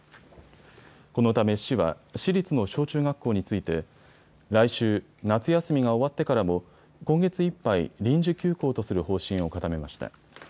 このため市は市立の小中学校について来週、夏休みが終わってからも今月いっぱい臨時休校とする方針を固めました。